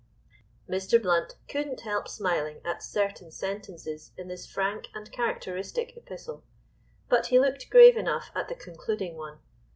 Mr. Blount couldn't help smiling at certain sentences in this frank and characteristic epistle. But he looked grave enough at the concluding one.